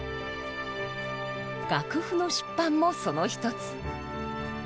楽譜の出版もその一つ。